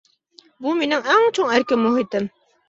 بۇ مېنىڭ ئەڭ چوڭ ئەركىن مۇھىتىم.